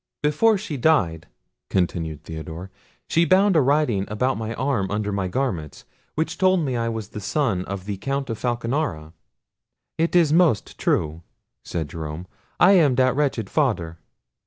"Before she died," continued Theodore, "she bound a writing about my arm under my garments, which told me I was the son of the Count Falconara." "It is most true," said Jerome; "I am that wretched father."